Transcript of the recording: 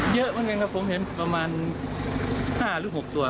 เยอะเหมือนกันครับผมเห็นประมาณ๕หรือ๖ตัว